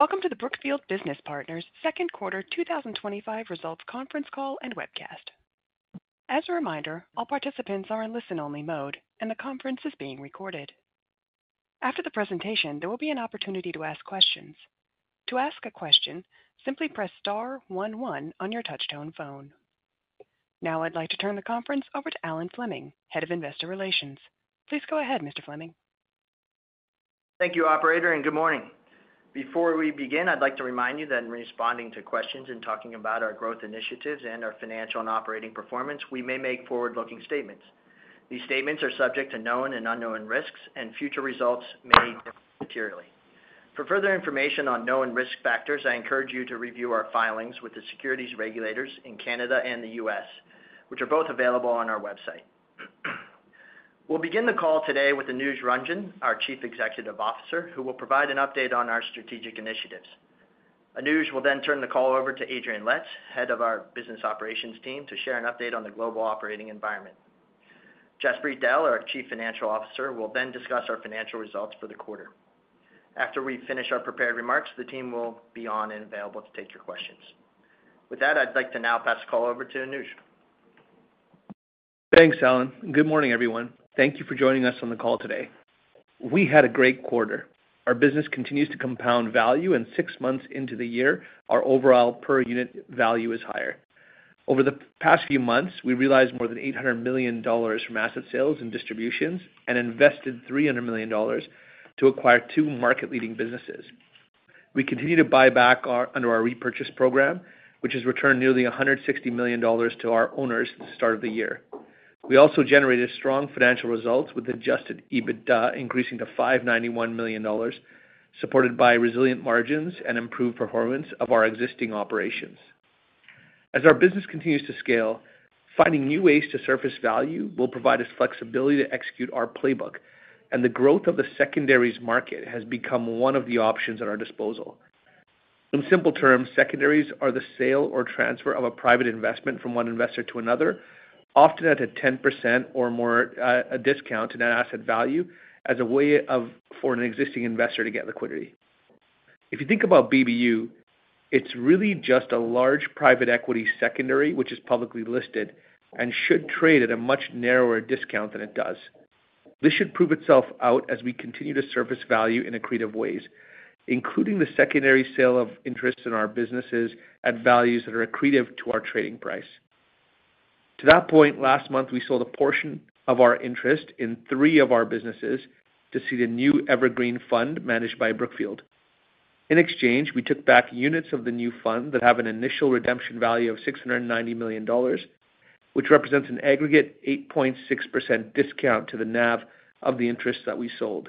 Welcome to the Brookfield Business Partners second quarter 2025 results conference call and webcast. As a reminder, all participants are in listen-only mode, and the conference is being recorded. After the presentation, there will be an opportunity to ask questions. To ask a question, simply press star 11 on your touch-tone phone. Now I'd like to turn the conference over to Alan Fleming, Head of Investor Relations. Please go ahead, Mr. Fleming. Thank you, Operator, and good morning. Before we begin, I'd like to remind you that in responding to questions and talking about our growth initiatives and our financial and operating performance, we may make forward-looking statements. These statements are subject to known and unknown risks, and future results may differ materially. For further information on known risk factors, I encourage you to review our filings with the securities regulators in Canada and the U.S., which are both available on our website. We'll begin the call today with Anuj Ranjan, our Chief Executive Officer, who will provide an update on our strategic initiatives. Anuj will then turn the call over to Adrian Letts, Head of our Business Operations team, to share an update on the global operating environment. Jaspreet Dehl, our Chief Financial Officer, will then discuss our financial results for the quarter. After we finish our prepared remarks, the team will be on and available to take your questions. With that, I'd like to now pass the call over to Anuj. Thanks, Alan. Good morning, everyone. Thank you for joining us on the call today. We had a great quarter. Our business continues to compound value, and six months into the year, our overall per unit value is higher. Over the past few months, we realized more than $800 million from asset sales and distributions and invested $300 million to acquire two market-leading businesses. We continue to buy back under our repurchase program, which has returned nearly $160 million to our owners at the start of the year. We also generated strong financial results with adjusted EBITDA increasing to $591 million, supported by resilient margins and improved performance of our existing operations. As our business continues to scale, finding new ways to surface value will provide us flexibility to execute our playbook, and the growth of the secondaries market has become one of the options at our disposal. In simple terms, secondaries are the sale or transfer of a private investment from one investor to another, often at a 10% or more discount in that asset value as a way for an existing investor to get liquidity. If you think about BBU, it's really just a large private equity secondary, which is publicly listed and should trade at a much narrower discount than it does. This should prove itself out as we continue to surface value in accretive ways, including the secondary sale of interest in our businesses at values that are accretive to our trading price. To that point, last month, we sold a portion of our interest in three of our businesses to seed the new Evergreen Fund managed by Brookfield. In exchange, we took back units of the new fund that have an initial redemption value of $690 million, which represents an aggregate 8.6% discount to the NAV of the interest that we sold.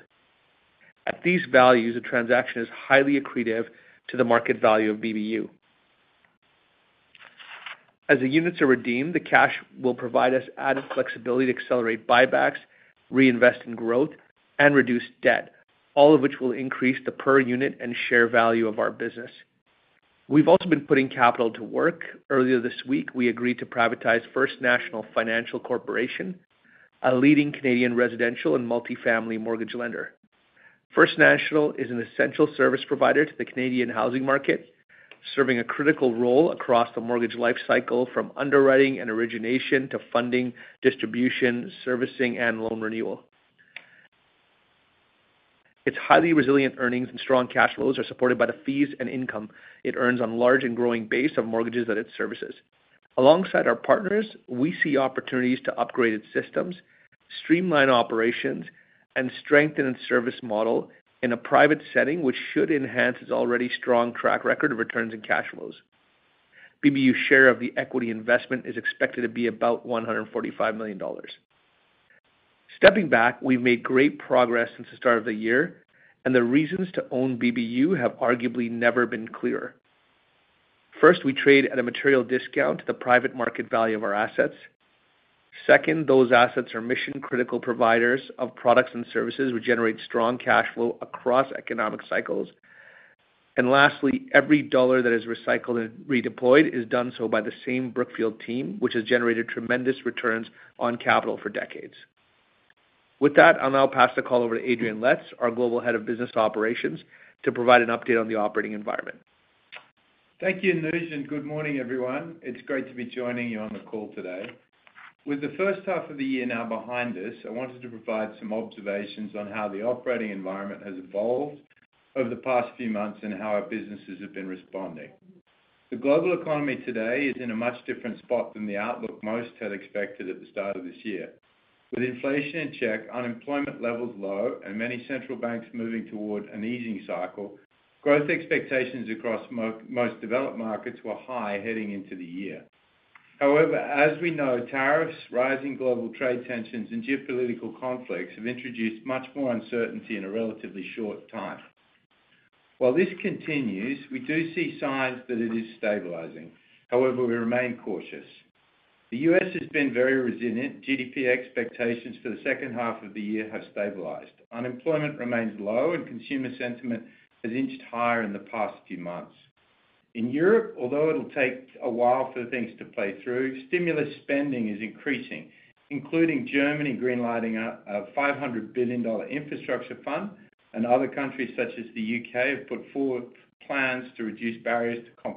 At these values, the transaction is highly accretive to the market value of BBU. As the units are redeemed, the cash will provide us added flexibility to accelerate buybacks, reinvest in growth, and reduce debt, all of which will increase the per unit and share value of our business. We've also been putting capital to work. Earlier this week, we agreed to privatize First National Financial Corporation, a leading Canadian residential and multifamily mortgage lender. First National is an essential service provider to the Canadian housing market, serving a critical role across the mortgage lifecycle, from underwriting and origination to funding, distribution, servicing, and loan renewal. Its highly resilient earnings and strong cash flows are supported by the fees and income it earns on a large and growing base of mortgages that it services. Alongside our partners, we see opportunities to upgrade its systems, streamline operations, and strengthen its service model in a private setting, which should enhance its already strong track record of returns and cash flows. BBU's share of the equity investment is expected to be about $145 million. Stepping back, we've made great progress since the start of the year, and the reasons to own BBU have arguably never been clear. First, we trade at a material discount to the private market value of our assets. Second, those assets are mission-critical providers of products and services which generate strong cash flow across economic cycles. Lastly, every dollar that is recycled and redeployed is done so by the same Brookfield team, which has generated tremendous returns on capital for decades. With that, I'll now pass the call over to Adrian Letts, our Global Head of Business Operations, to provide an update on the operating environment. Thank you, Anuj, and good morning, everyone. It's great to be joining you on the call today. With the first half of the year now behind us, I wanted to provide some observations on how the operating environment has evolved over the past few months and how our businesses have been responding. The global economy today is in a much different spot than the outlook most had expected at the start of this year. With inflation in check, unemployment levels low, and many central banks moving toward an easing cycle, growth expectations across most developed markets were high heading into the year. However, as we know, tariffs, rising global trade tensions, and geopolitical conflicts have introduced much more uncertainty in a relatively short time. While this continues, we do see signs that it is stabilizing. However, we remain cautious. The U.S. has been very resilient. GDP expectations for the second half of the year have stabilized. Unemployment remains low, and consumer sentiment has inched higher in the past few months. In Europe, although it'll take a while for things to play through, stimulus spending is increasing, including Germany greenlighting a $500 billion infrastructure fund, and other countries such as the U.K. have put forward plans to reduce barriers to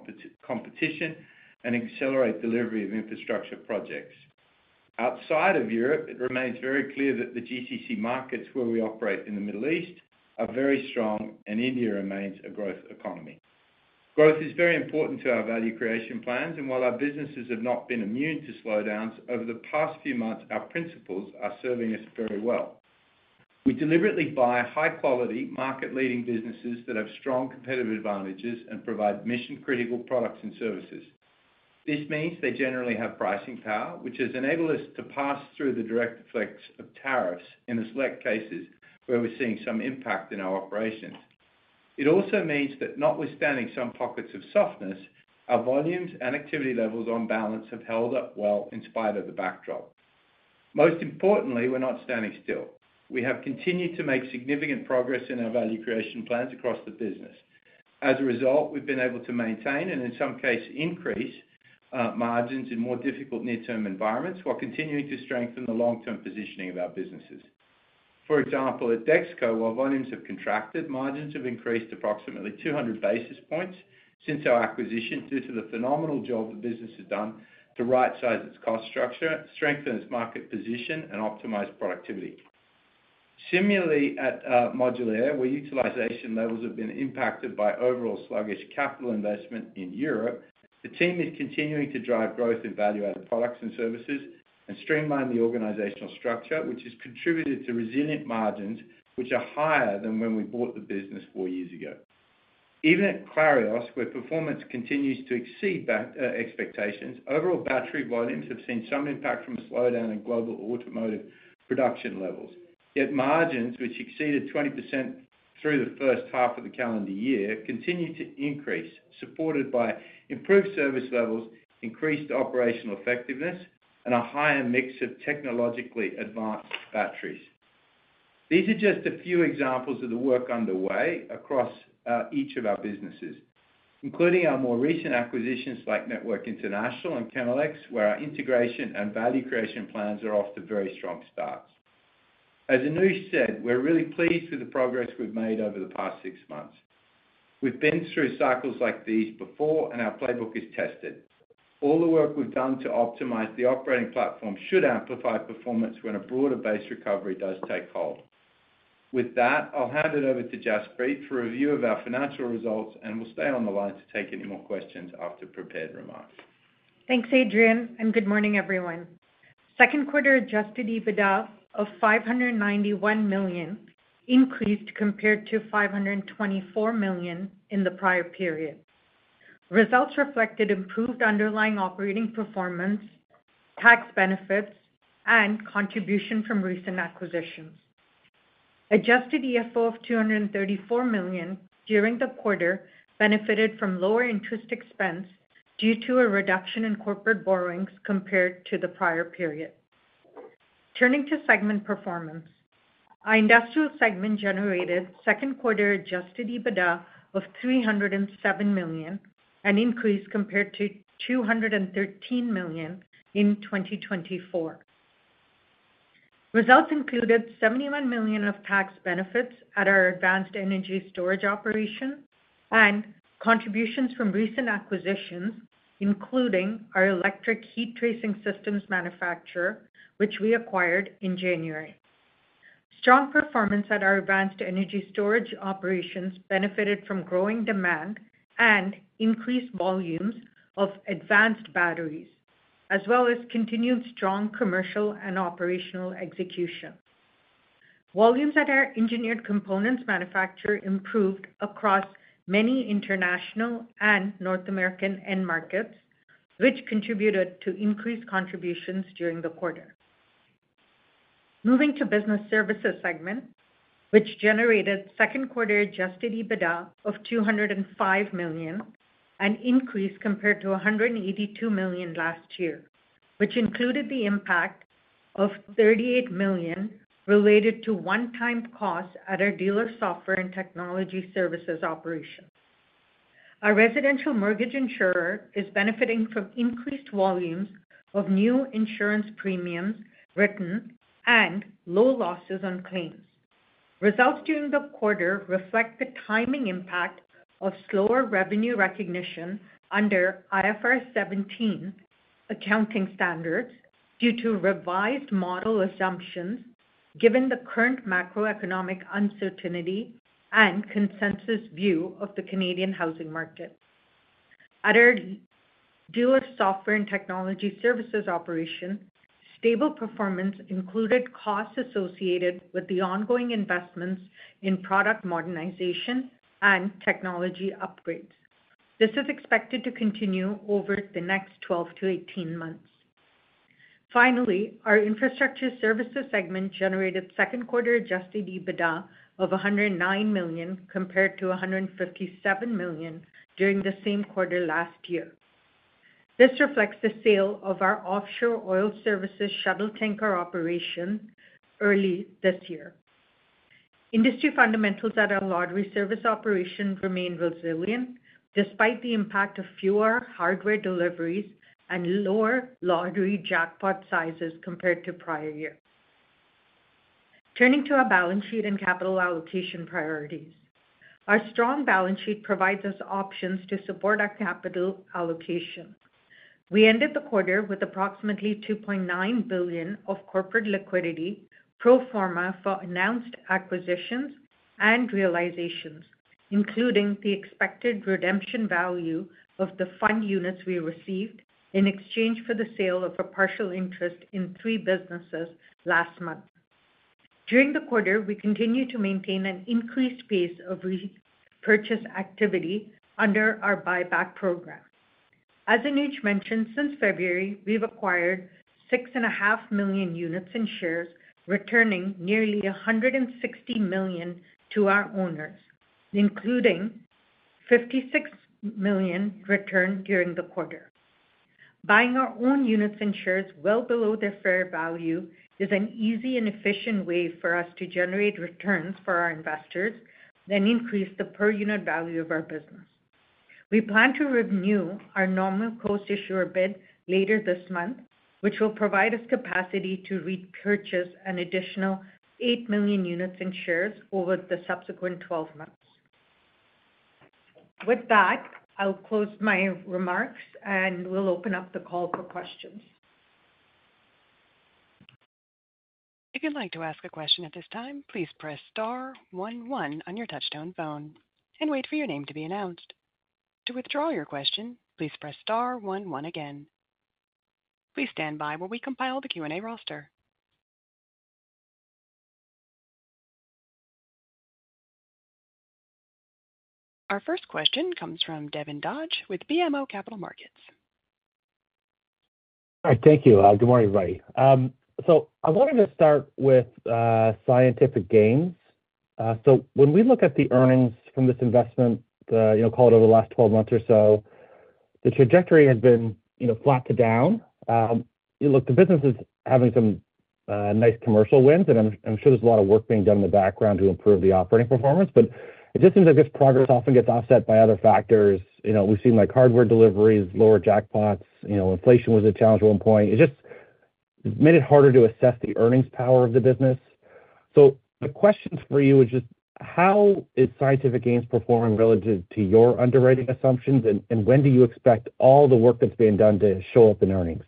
competition and accelerate delivery of infrastructure projects. Outside of Europe, it remains very clear that the GCC markets where we operate in the Middle East are very strong, and India remains a growth economy. Growth is very important to our value creation plans, and while our businesses have not been immune to slowdowns, over the past few months, our priNCIBles are serving us very well. We deliberately buy high-quality, market-leading businesses that have strong competitive advantages and provide mission-critical products and services. This means they generally have pricing power, which has enabled us to pass through the direct effects of tariffs in the select cases where we're seeing some impact in our operations. It also means that, notwithstanding some pockets of softness, our volumes and activity levels on balance have held up well in spite of the backdrop. Most importantly, we're not standing still. We have continued to make significant progress in our value creation plans across the business. As a result, we've been able to maintain and, in some cases, increase margins in more difficult near-term environments while continuing to strengthen the long-term positioning of our businesses. For example, at DexKo, while volumes have contracted, margins have increased approximately 200 basis points since our acquisition due to the phenomenal job the business has done to right-size its cost structure, strengthen its market position, and optimize productivity. Similarly, at Modulaire, where utilization levels have been impacted by overall sluggish capital investment in Europe, the team is continuing to drive growth in value-added products and services and streamline the organizational structure, which has contributed to resilient margins, which are higher than when we bought the business four years ago. Even at Clarios, where performance continues to exceed expectations, overall battery volumes have seen some impact from a slowdown in global automotive production levels. Yet margins, which exceeded 20% through the first half of the calendar year, continue to increase, supported by improved service levels, increased operational effectiveness, and a higher mix of technologically advanced batteries. These are just a few examples of the work underway across each of our businesses, including our more recent acquisitions like Network International and Chemelex, where our integration and value creation plans are off to very strong starts. As Anuj said, we're really pleased with the progress we've made over the past six months. We've been through cycles like these before, and our playbook is tested. All the work we've done to optimize the operating platform should amplify performance when a broader base recovery does take hold. With that, I'll hand it over to Jaspreet for a review of our financial results, and we'll stay on the line to take any more questions after prepared remarks. Thanks, Adrian, and good morning, everyone. Second quarter adjusted EBITDA of $591 million increased compared to $524 million in the prior period. Results reflected improved underlying operating performance, tax benefits, and contribution from recent acquisitions. Adjusted EFO of $234 million during the quarter benefited from lower interest expense due to a reduction in corporate borrowings compared to the prior period. Turning to segment performance, our industrial segment generated second quarter adjusted EBITDA of $307 million and increased compared to $213 million in 2024. Results included $71 million of tax benefits at our advanced energy storage operation and contributions from recent acquisitions, including our electric heat tracing systems manufacturer, which we acquired in January. Strong performance at our advanced energy storage operations benefited from growing demand and increased volumes of advanced batteries, as well as continued strong commercial and operational execution. Volumes at our engineered components manufacturer improved across many international and North American end markets, which contributed to increased contributions during the quarter. Moving to business services segment, which generated second quarter adjusted EBITDA of $205 million and increased compared to $182 million last year, which included the impact of $38 million related to one-time costs at our dealer software and technology services operation. Our residential mortgage insurer is benefiting from increased volumes of new insurance premiums written and low losses on claims. Results during the quarter reflect the timing impact of slower revenue recognition under IFRS 17 accounting standards due to revised model assumptions given the current macroeconomic uncertainty and consensus view of the Canadian housing market. At our dealer software and technology services operation, stable performance included costs associated with the ongoing investments in product modernization and technology upgrades. This is expected to continue over the next 12-18 months. Finally, our infrastructure services segment generated second quarter adjusted EBITDA of $109 million compared to $157 million during the same quarter last year. This reflects the sale of our offshore oil services shuttle tanker operation early this year. Industry fundamentals at our lottery service operation remain resilient despite the impact of fewer hardware deliveries and lower lottery jackpot sizes compared to prior year. Turning to our balance sheet and capital allocation priorities, our strong balance sheet provides us options to support our capital allocation. We ended the quarter with approximately $2.9 billion of corporate liquidity pro forma for announced acquisitions and realizations, including the expected redemption value of the fund units we received in exchange for the sale of a partial interest in three businesses last month. During the quarter, we continue to maintain an increased pace of repurchase activity under our buyback program. As Anuj mentioned, since February, we've acquired 6.5 million units and shares, returning nearly $160 million to our owners, including $56 million returned during the quarter. Buying our own units and shares well below their fair value is an easy and efficient way for us to generate returns for our investors, then increase the per unit value of our business. We plan to renew our normal course issuer bid later this month, which will provide us capacity to repurchase an additional 8 million units and shares over the subsequent 12 months. With that, I'll close my remarks and will open up the call for questions. If you'd like to ask a question at this time, please press star 11 on your touch-tone phone and wait for your name to be announced. To withdraw your question, please press star 11 again. Please stand by while we compile the Q&A roster. Our first question comes from Devin Dodge with BMO Capital Markets. All right. Thank you. Good morning, everybody. I wanted to start with scientific gains. When we look at the earnings from this investment, over the last 12 months or so, the trajectory has been flat to down. You look, the business is having some nice commercial wins, and I'm sure there's a lot of work being done in the background to improve the operating performance. It just seems like this progress often gets offset by other factors. We've seen hardware deliveries, lower jackpots, inflation was a challenge at one point. It just made it harder to assess the earnings power of the business. The questions for you are just how is scientific gains performing relative to your underwriting assumptions, and when do you expect all the work that's being done to show up in earnings?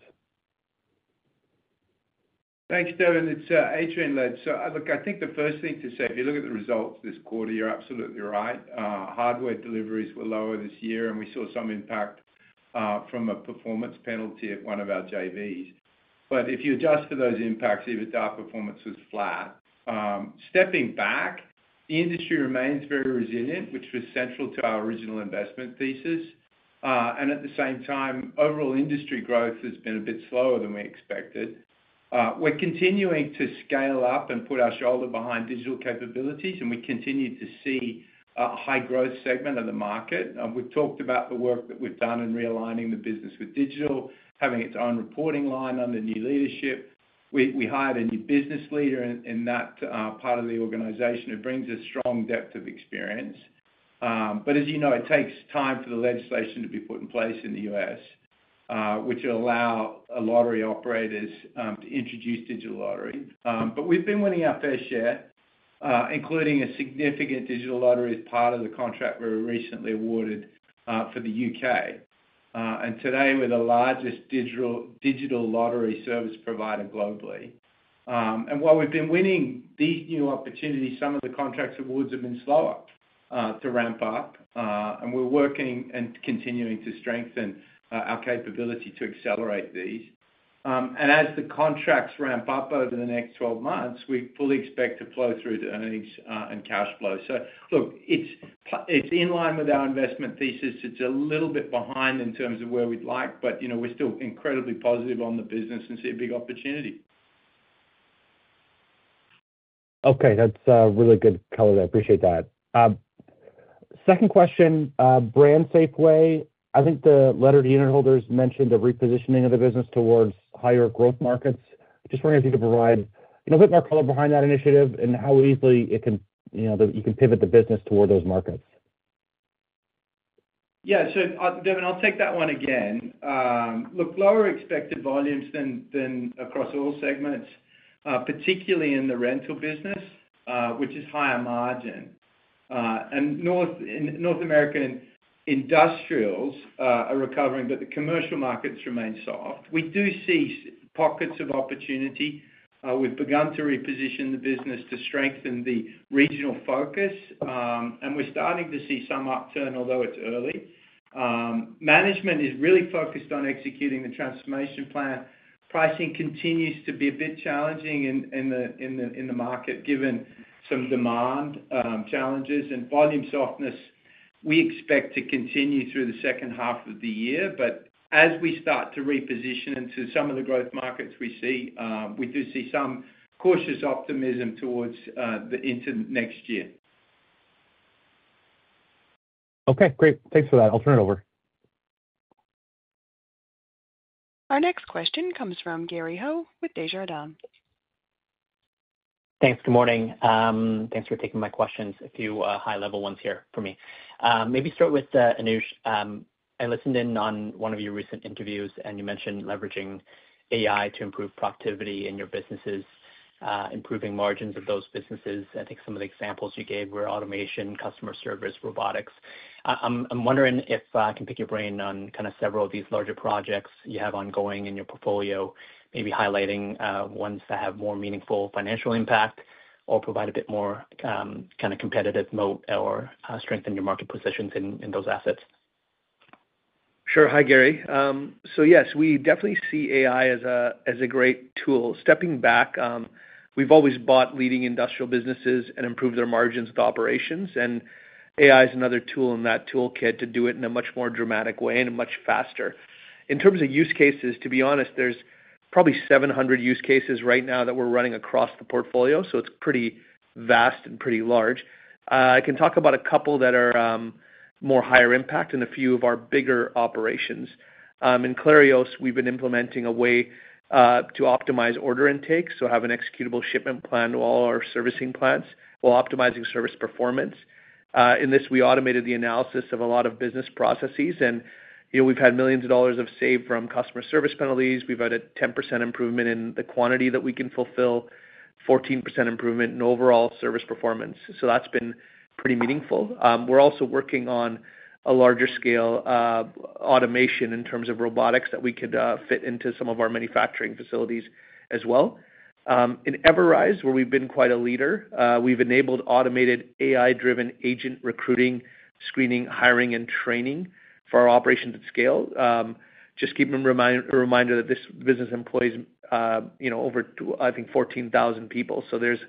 Thanks, Devin. It's Adrian Letts. I think the first thing to say, if you look at the results this quarter, you're absolutely right. Hardware deliveries were lower this year, and we saw some impact from a performance penalty at one of our JVs. If you adjust for those impacts, EBITDA performance was flat. Stepping back, the industry remains very resilient, which was central to our original investment thesis. At the same time, overall industry growth has been a bit slower than we expected. We're continuing to scale up and put our shoulder behind digital capabilities, and we continue to see a high-growth segment of the market. We've talked about the work that we've done in realigning the business with digital, having its own reporting line under new leadership. We hired a new business leader in that part of the organization. It brings a strong depth of experience. As you know, it takes time for the legislation to be put in place in the U.S., which will allow lottery operators to introduce digital lottery. We've been winning our fair share, including a significant digital lottery as part of the contract we were recently awarded for the U.K. Today, we're the largest digital lottery service provider globally. While we've been winning these new opportunities, some of the contract awards have been slower to ramp up, and we're working and continuing to strengthen our capability to accelerate these. As the contracts ramp up over the next 12 months, we fully expect to flow through to earnings and cash flow. It's in line with our investment thesis. It's a little bit behind in terms of where we'd like, but we're still incredibly positive on the business and see a big opportunity. Okay. That's a really good color there. I appreciate that. Second question, BrandSafway. I think the letter to unit holders mentioned a repositioning of the business towards higher growth markets. I just wonder if you could provide a bit more color behind that initiative and how easily you can pivot the business toward those markets. Yeah. Devin, I'll take that one again. Look, lower expected volumes than across all segments, particularly in the rental business, which is higher margin. North American industrials are recovering, but the commercial markets remain soft. We do see pockets of opportunity. We've begun to reposition the business to strengthen the regional focus, and we're starting to see some upturn, although it's early. Management is really focused on executing the transformation plan. Pricing continues to be a bit challenging in the market given some demand challenges and volume softness. We expect to continue through the second half of the year. As we start to reposition into some of the growth markets we see, we do see some cautious optimism into next year. Okay. Great. Thanks for that. I'll turn it over. Our next question comes from Gary Ho with Desjardins. Thanks. Good morning. Thanks for taking my questions, a few high-level ones here for me. Maybe start with Anuj. I listened in on one of your recent interviews, and you mentioned leveraging AI to improve productivity in your businesses, improving margins of those businesses. I think some of the examples you gave were automation, customer service, robotics. I'm wondering if I can pick your brain on kind of several of these larger projects you have ongoing in your portfolio, maybe highlighting ones that have more meaningful financial impact or provide a bit more kind of competitive note or strengthen your market positions in those assets. Sure. Hi, Gary. Yes, we definitely see AI as a great tool. Stepping back, we've always bought leading industrial businesses and improved their margins with operations. AI is another tool in that toolkit to do it in a much more dramatic way and much faster. In terms of use cases, to be honest, there's probably 700 use cases right now that we're running across the portfolio. It's pretty vast and pretty large. I can talk about a couple that are more higher impact and a few of our bigger operations. In Clarios, we've been implementing a way to optimize order intake, so have an executable shipment plan to all our servicing plans while optimizing service performance. In this, we automated the analysis of a lot of business processes. We've had millions of dollars saved from customer service penalties. We've had a 10% improvement in the quantity that we can fulfill, 14% improvement in overall service performance. That's been pretty meaningful. We're also working on a larger scale automation in terms of robotics that we could fit into some of our manufacturing facilities as well. In Everise, where we've been quite a leader, we've enabled automated AI-driven agent recruiting, screening, hiring, and training for our operations at scale. Just keeping a reminder that this business employs over, I think, 14,000 people. There's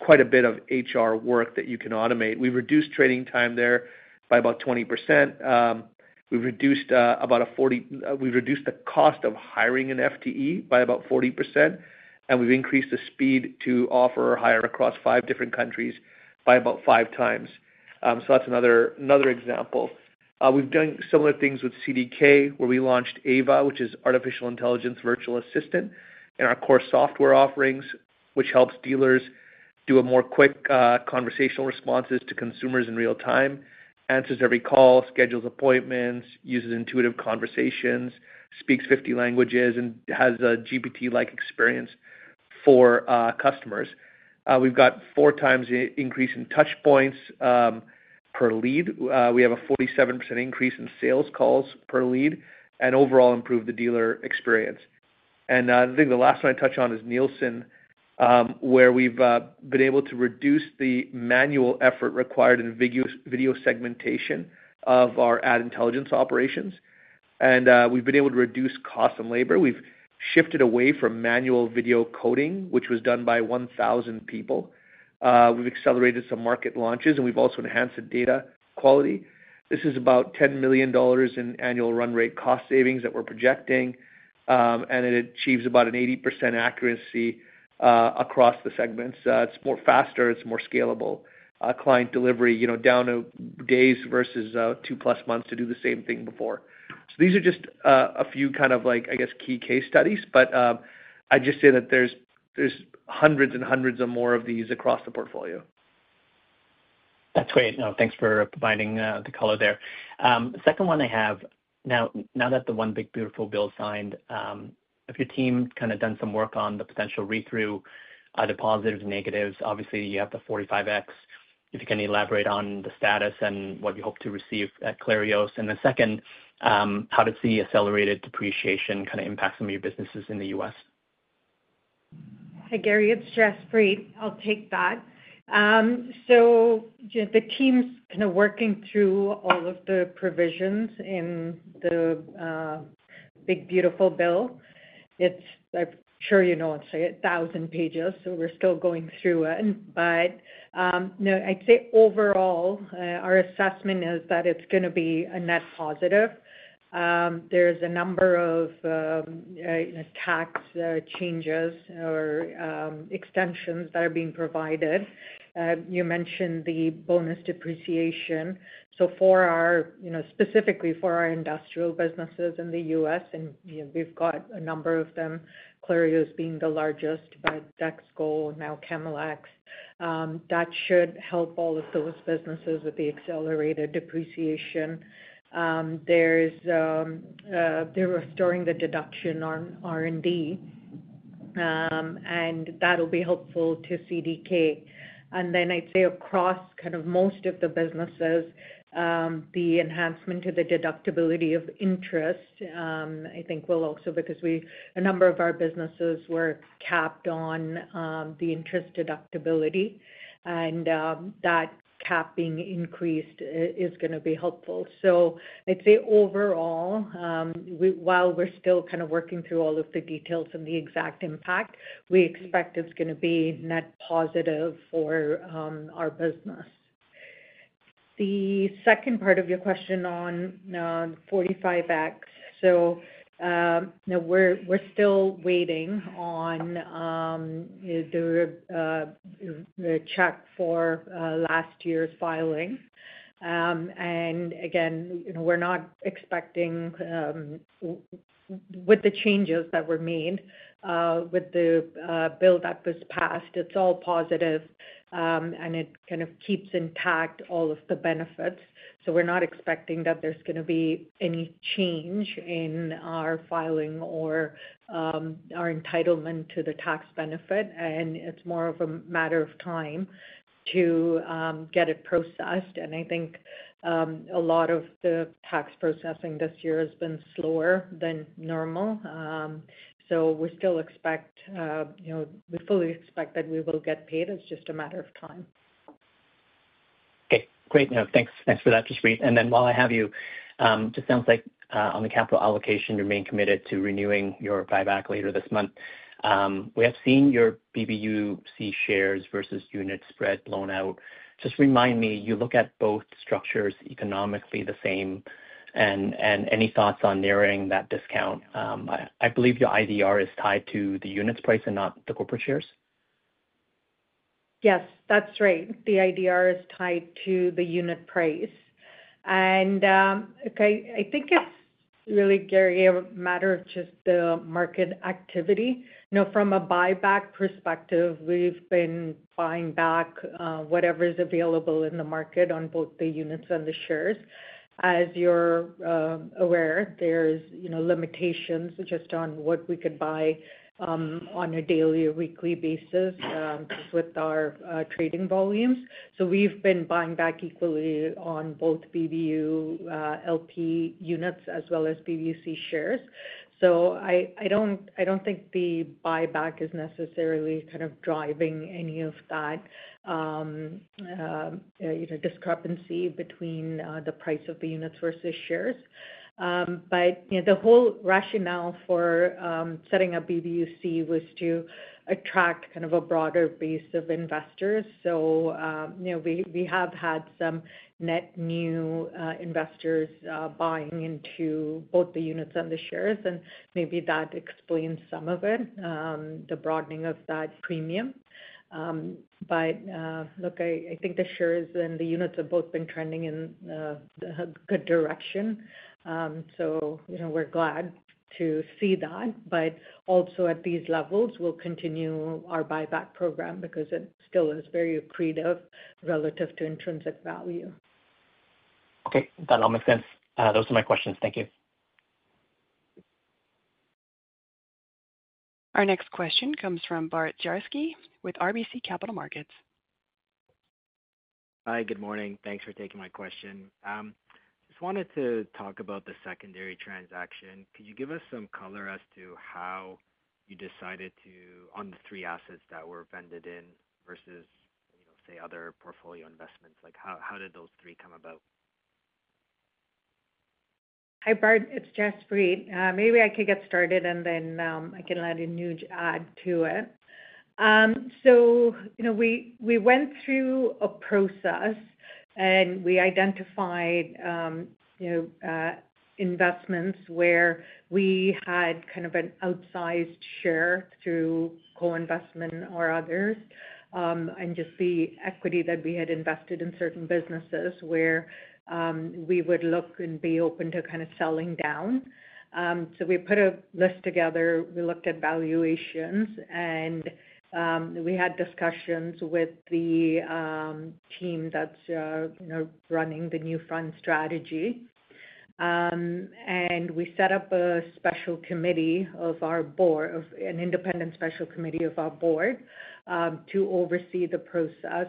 quite a bit of HR work that you can automate. We've reduced training time there by about 20%. We've reduced the cost of hiring an FTE by about 40%. We've increased the speed to offer hire across five different countries by about five times. That's another example. We've done similar things with CDK, where we launched AIVA, which is Artificial Intelligence Virtual Assistant, in our core software offerings, which helps dealers do more quick conversational responses to consumers in real time, answers every call, schedules appointments, uses intuitive conversations, speaks 50 languages, and has a GPT-like experience for customers. We've got four times the increase in touch points per lead. We have a 47% increase in sales calls per lead and overall improved the dealer experience. The last one I touch on is Nielsen, where we've been able to reduce the manual effort required in video segmentation of our ad intelligence operations. We've been able to reduce costs and labor. We've shifted away from manual video coding, which was done by 1,000 people. We've accelerated some market launches, and we've also enhanced the data quality. This is about $10 million in annual run rate cost savings that we're projecting. It achieves about an 80% accuracy across the segments. It's faster, it's more scalable. Client delivery, you know, down to days versus two-plus months to do the same thing before. These are just a few key case studies. I'd just say that there's hundreds and hundreds more of these across the portfolio. That's great. No, thanks for providing the color there. Second one I have, now that the one big beautiful bill signed, have your team kind of done some work on the potential read-through depositors and negatives? Obviously, you have the 45X. If you can elaborate on the status and what you hope to receive at Clarios. The second, how does the accelerated depreciation kind of impact some of your businesses in the U.S.? Hi, Gary. It's Jaspreet. I'll take that. The team's kind of working through all of the provisions in the big beautiful bill. I'm sure you know it's like 1,000 pages, so we're still going through it. I'd say overall, our assessment is that it's going to be a net positive. There's a number of tax changes or extensions that are being provided. You mentioned the bonus depreciation. For our, you know, specifically for our industrial businesses in the U.S., and we've got a number of them, Clarios being the largest, but DexKo, now Chemelex, that should help all of those businesses with the accelerated depreciation. They're restoring the deduction on R&D, and that'll be helpful to CDK. I'd say across kind of most of the businesses, the enhancement to the deductibility of interest, I think, will also, because a number of our businesses were capped on the interest deductibility. That cap being increased is going to be helpful. I'd say overall, while we're still kind of working through all of the details and the exact impact, we expect it's going to be net positive for our business. The second part of your question on the 45X, we're still waiting on the check for last year's filing. We're not expecting with the changes that were made with the bill that was passed, it's all positive, and it kind of keeps intact all of the benefits. We're not expecting that there's going to be any change in our filing or our entitlement to the tax benefit. It's more of a matter of time to get it processed. I think a lot of the tax processing this year has been slower than normal. We still expect, you know, we fully expect that we will get paid. It's just a matter of time. Okay. Great. No, thanks. Thanks for that, Jaspreet. While I have you, it just sounds like on the capital allocation, you're being committed to renewing your buyback later this month. We have seen your BBUC shares versus units spread blown out. Just remind me, you look at both structures economically the same. Any thoughts on narrowing that discount? I believe your IDR is tied to the units price and not the corporate shares? Yes, that's right. The IDR is tied to the unit price. I think it's really, Gary, a matter of just the market activity. You know, from a buyback perspective, we've been buying back whatever is available in the market on both the units and the shares. As you're aware, there are limitations just on what we could buy on a daily or weekly basis just with our trading volumes. We've been buying back equally on both BBU LP units as well as BBUC shares. I don't think the buyback is necessarily kind of driving any of that discrepancy between the price of the units versus shares. The whole rationale for setting up BBUC was to attract kind of a broader base of investors. We have had some net new investors buying into both the units and the shares, and maybe that explains some of it, the broadening of that premium. I think the shares and the units have both been trending in a good direction. We're glad to see that. Also, at these levels, we'll continue our buyback program because it still is very accretive relative to intrinsic value. Okay. That all makes sense. Those are my questions. Thank you. Our next question comes from Bart Dziarski with RBC Capital Markets. Hi. Good morning. Thanks for taking my question. I just wanted to talk about the secondary transaction. Could you give us some color as to how you decided to, on the three assets that were vended in versus, you know, say, other portfolio investments? Like how did those three come about? Hi, Bart. It's Jaspreet. Maybe I could get started, and then I can let Anuj add to it. We went through a process, and we identified investments where we had kind of an outsized share through co-investment or others, and just the equity that we had invested in certain businesses where we would look and be open to kind of selling down. We put a list together. We looked at valuations, and we had discussions with the team that's running the new fund strategy. We set up a special committee of our board, an independent special committee of our board to oversee the process.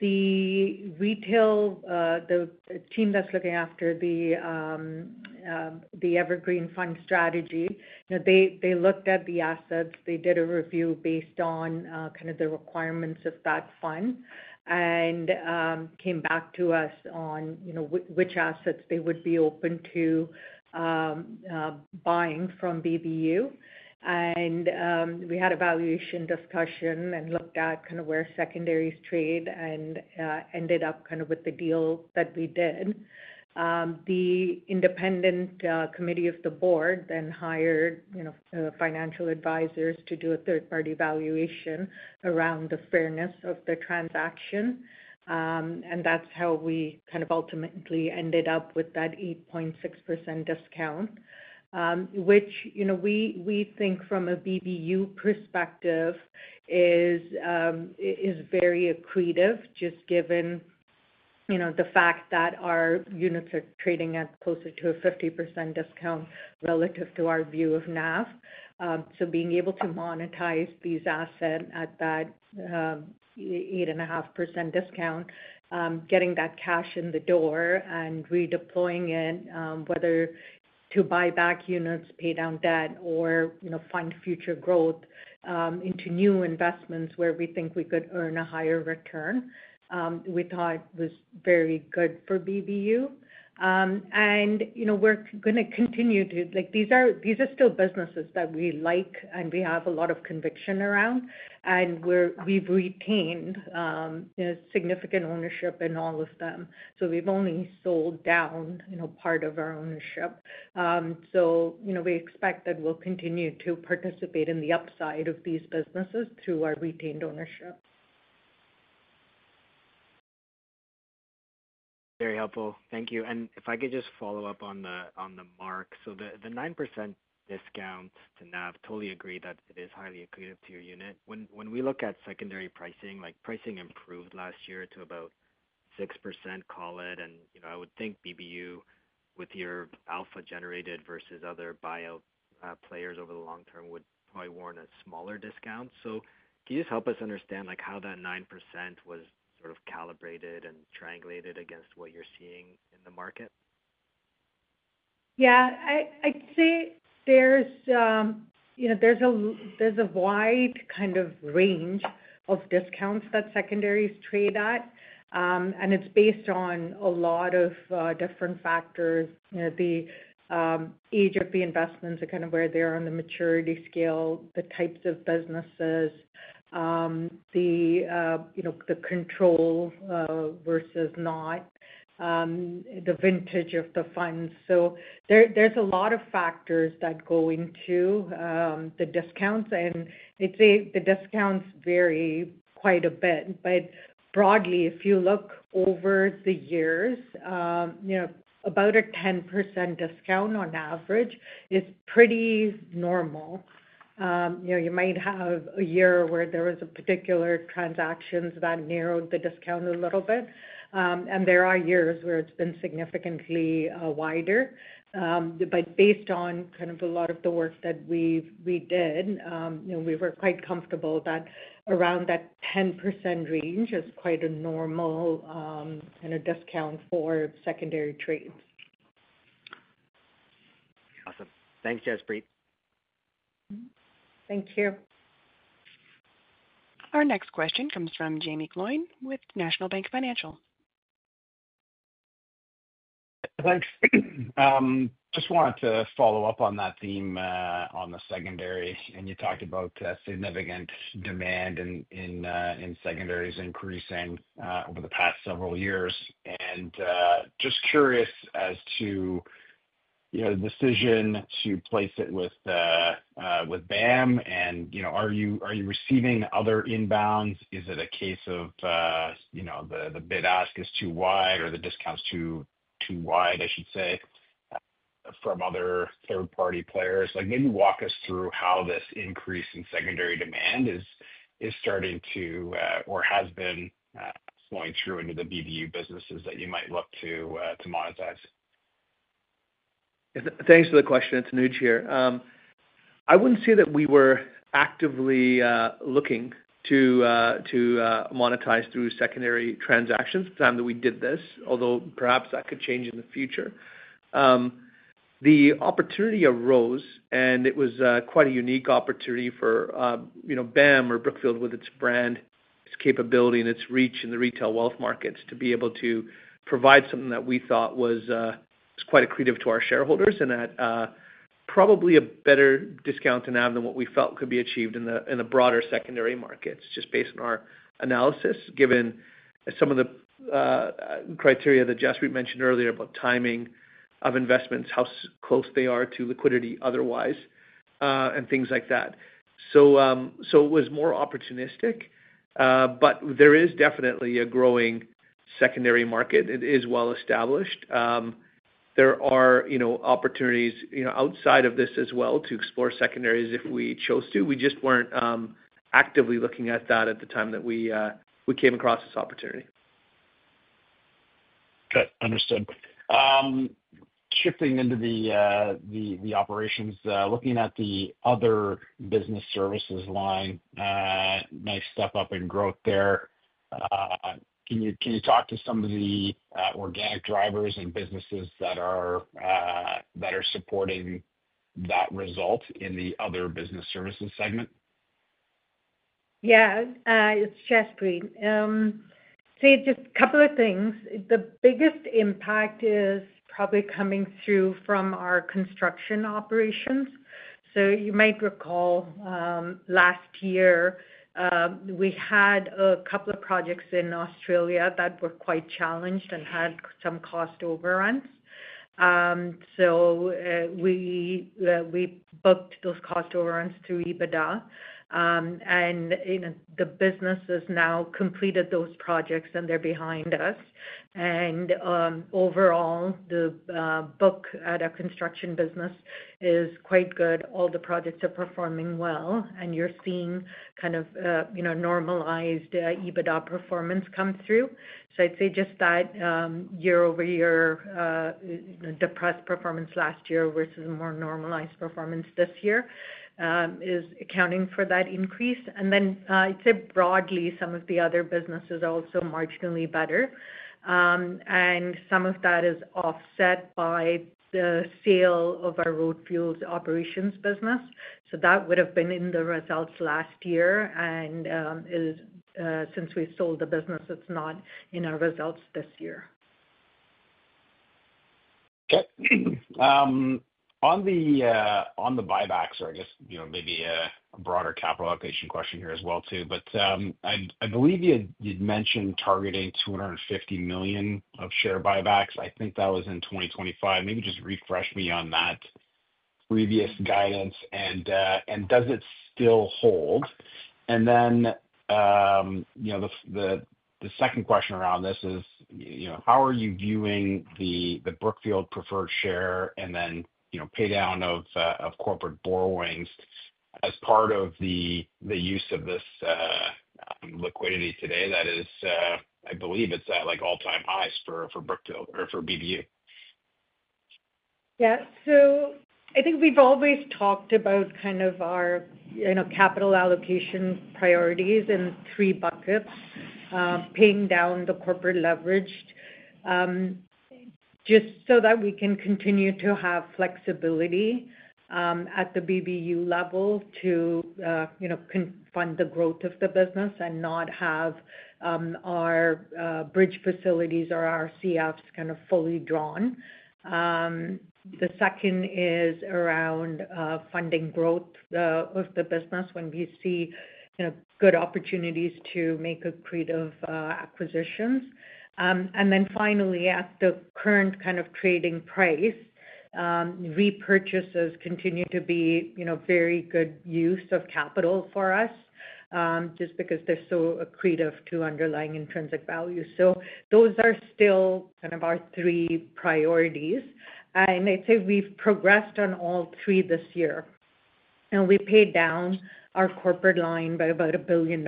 The retail, the team that's looking after the Evergreen Fund strategy, they looked at the assets. They did a review based on kind of the requirements of that fund and came back to us on which assets they would be open to buying from BBU. We had a valuation discussion and looked at kind of where secondaries trade and ended up with the deal that we did. The independent committee of the board then hired financial advisors to do a third-party valuation around the fairness of the transaction. That's how we ultimately ended up with that 8.6% discount, which we think from a BBU perspective is very accretive just given the fact that our units are trading at closer to a 50% discount relative to our view of NAV. Being able to monetize these assets at that 8.6% discount, getting that cash in the door and redeploying it, whether to buy back units, pay down debt, or find future growth into new investments where we think we could earn a higher return, we thought was very good for BBU. We're going to continue to, these are still businesses that we like and we have a lot of conviction around. We've retained significant ownership in all of them. We've only sold down part of our ownership. We expect that we'll continue to participate in the upside of these businesses through our retained ownership. Very helpful. Thank you. If I could just follow up on the mark. The 9% discount to NAV, I totally agree that it is highly accretive to your unit. When we look at secondary pricing, pricing improved last year to about 6%, call it. I would think BBU, with your alpha generated versus other buyout players over the long term, would probably warrant a smaller discount. Can you just help us understand how that 9% was sort of calibrated and triangulated against what you're seeing in the market? Yeah. I'd say there's a wide kind of range of discounts that secondaries trade at. It's based on a lot of different factors. The age of the investments, where they are on the maturity scale, the types of businesses, the control versus not, the vintage of the funds. There are a lot of factors that go into the discounts, and I'd say the discounts vary quite a bit. Broadly, if you look over the years, about a 10% discount on average is pretty normal. You might have a year where there were particular transactions that narrowed the discount a little bit. There are years where it's been significantly wider. Based on a lot of the work that we did, we were quite comfortable that around that 10% range is quite a normal kind of discount for secondary trades. Awesome. Thanks, Jaspreet. Thank you. Our next question comes from Jaeme Gloyn with National Bank Financial. Thanks. I just wanted to follow up on that theme on the secondary. You talked about significant demand in secondaries increasing over the past several years. I'm just curious as to the decision to place it with BAM. Are you receiving other inbounds? Is it a case of the bid ask is too wide or the discount's too wide, I should say, from other third-party players? Maybe walk us through how this increase in secondary demand is starting to or has been flowing through into the BBU businesses that you might look to monetize. Thanks for the question. It's Anuj here. I wouldn't say that we were actively looking to monetize through secondary transactions at the time that we did this, although perhaps that could change in the future. The opportunity arose, and it was quite a unique opportunity for, you know, BAM or Brookfield with its brand, its capability, and its reach in the retail wealth markets to be able to provide something that we thought was quite accretive to our shareholders and at probably a better discount to NAV than what we felt could be achieved in the broader secondary markets just based on our analysis, given some of the criteria that Jaspreet mentioned earlier about timing of investments, how close they are to liquidity otherwise, and things like that. It was more opportunistic. There is definitely a growing secondary market. It is well established. There are, you know, opportunities, you know, outside of this as well to explore secondaries if we chose to. We just weren't actively looking at that at the time that we came across this opportunity. Okay. Understood. Shifting into the operations, looking at the other business services line, nice step up in growth there. Can you talk to some of the organic drivers and businesses that are supporting that result in the other business services segment? Yeah. It's Jaspreet. Just a couple of things. The biggest impact is probably coming through from our construction operations. You might recall last year, we had a couple of projects in Australia that were quite challenged and had some cost overruns. We booked those cost overruns through EBITDA. The businesses have now completed those projects, and they're behind us. Overall, the book at a construction business is quite good. All the projects are performing well, and you're seeing kind of, you know, normalized EBITDA performance come through. I'd say just that year-over-year depressed performance last year versus a more normalized performance this year is accounting for that increase. Broadly, some of the other businesses are also marginally better. Some of that is offset by the sale of our road fuels operations business. That would have been in the results last year. Since we sold the business, it's not in our results this year. Okay. On the buybacks, or I guess, maybe a broader capital allocation question here as well, too. I believe you'd mentioned targeting $250 million of share buybacks. I think that was in 2025. Maybe just refresh me on that previous guidance. Does it still hold? The second question around this is, how are you viewing the Brookfield preferred share and paydown of corporate borrowings as part of the use of this liquidity today that is, I believe, at all-time highs for Brookfield or for BBU? Yeah. I think we've always talked about our capital allocation priorities in three buckets: paying down the corporate leverage just so that we can continue to have flexibility at the BBU level to fund the growth of the business and not have our bridge facilities or our CFs fully drawn. The second is around funding growth of the business when we see good opportunities to make accretive acquisitions. Finally, at the current trading price, repurchases continue to be a very good use of capital for us just because they're so accretive to underlying intrinsic value. Those are still our three priorities. I'd say we've progressed on all three this year. We paid down our corporate line by about $1 billion.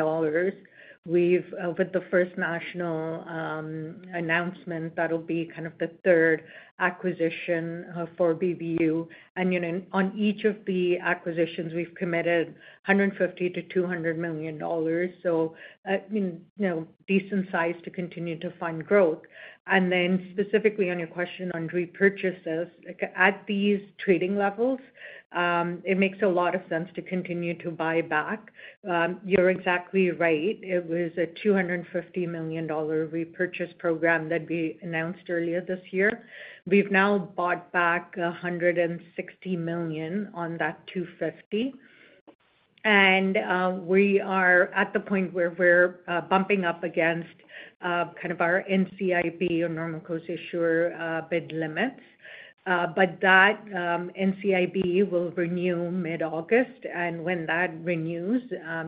With the First National announcement, that'll be the third acquisition for BBU. On each of the acquisitions, we've committed $150 million-$200 million, so decent size to continue to fund growth. Specifically on your question on repurchases, at these trading levels, it makes a lot of sense to continue to buy back. You're exactly right. It was a $250 million repurchase program that we announced earlier this year. We've now bought back $160 million on that $250 million. We are at the point where we're bumping up against our NCIB, or normal course issuer bid limits. That NCIB will renew mid-August, and when that renews,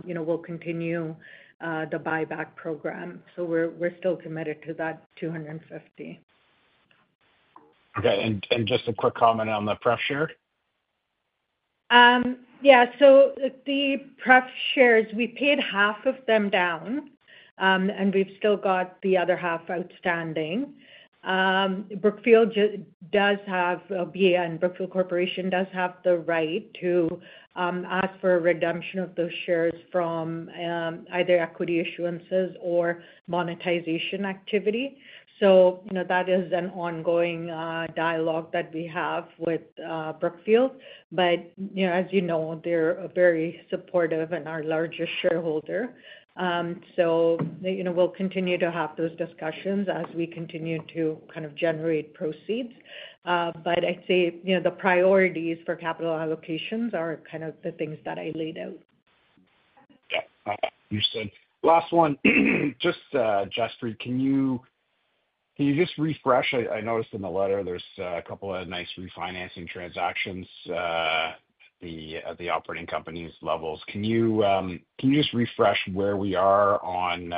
we'll continue the buyback program. We're still committed to that $250 million. Okay. Just a quick comment on the pref share? Yeah. So the pref shares, we paid half of them down, and we've still got the other half outstanding. Brookfield does have the right to ask for a redemption of those shares from either equity issuances or monetization activity. That is an ongoing dialogue that we have with Brookfield. As you know, they're very supportive and our largest shareholder. We'll continue to have those discussions as we continue to kind of generate proceeds. I'd say the priorities for capital allocations are kind of the things that I laid out. Understood. Last one. Jaspreet, can you just refresh? I noticed in the letter, there's a couple of nice refinancing transactions at the operating companies' levels. Can you just refresh where we are on,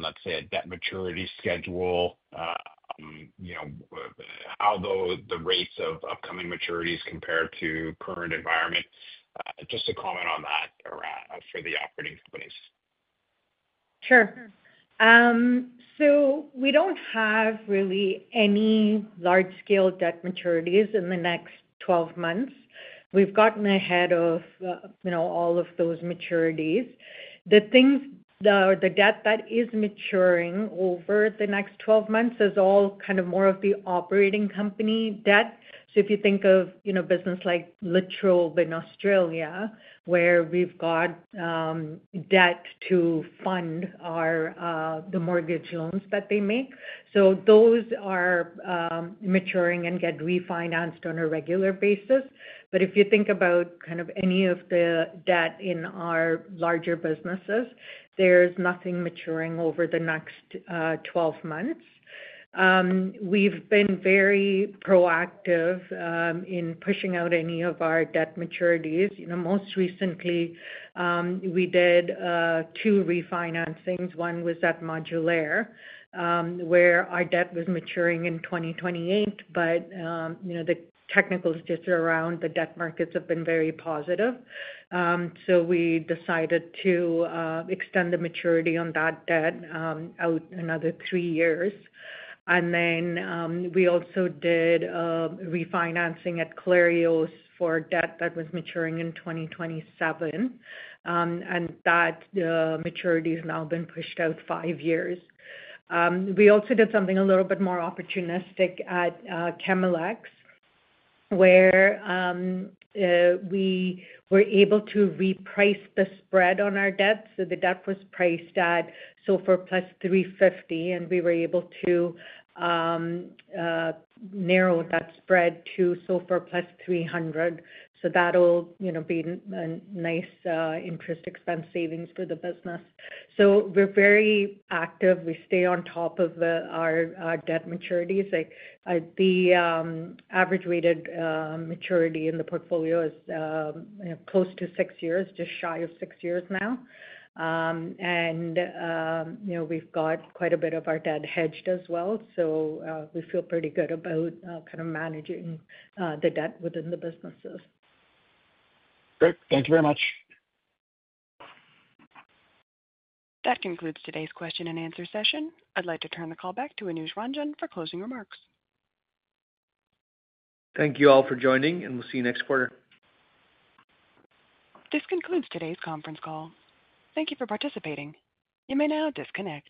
let's say, a debt maturity schedule, how the rates of upcoming maturities compare to the current environment? Just a comment on that for the operating companies. Sure. We don't have really any large-scale debt maturities in the next 12 months. We've gotten ahead of all of those maturities. The debt that is maturing over the next 12 months is all more of the operating company debt. If you think of a business like La Trobe in Australia, where we've got debt to fund the mortgage loans that they make, those are maturing and get refinanced on a regular basis. If you think about any of the debt in our larger businesses, there's nothing maturing over the next 12 months. We've been very proactive in pushing out any of our debt maturities. Most recently, we did two refinancings. One was at Modulaire, where our debt was maturing in 2028. The technicals just around the debt markets have been very positive, so we decided to extend the maturity on that debt out another three years. We also did a refinancing at Clarios for a debt that was maturing in 2027, and that maturity has now been pushed out five years. We also did something a little bit more opportunistic at Chemelex, where we were able to reprice the spread on our debt. The debt was priced at SOFR plus 350, and we were able to narrow that spread to SOFR plus 300. That'll be a nice interest expense savings for the business. We're very active. We stay on top of our debt maturities. The average weighted maturity in the portfolio is close to six years, just shy of six years now. We've got quite a bit of our debt hedged as well. We feel pretty good about managing the debt within the businesses. Great. Thank you very much. That concludes today's question and answer session. I'd like to turn the call back to Anuj Ranjan for closing remarks. Thank you all for joining, and we'll see you next quarter. This concludes today's conference call. Thank you for participating. You may now disconnect.